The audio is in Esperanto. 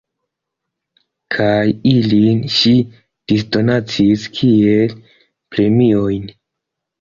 Kaj ilin ŝi disdonacis kiel premiojn.